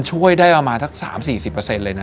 ช่วยได้ประมาณ๓๐๔๐